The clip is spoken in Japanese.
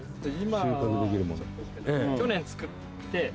収穫できるもの。